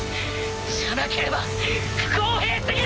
じゃなければ不公平すぎる！